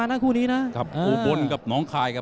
กระหน่าที่น้ำเงินก็มีเสียเอ็นจากอุบลนะครับเสียเอ็นจากอุบลนะครับ